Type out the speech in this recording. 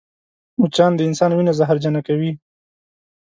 مچان د انسان وینه زهرجنه کوي